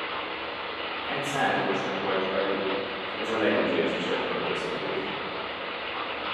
Egy szál ruha sem volt rajtuk, s ez a legízlésesebb öltözködés.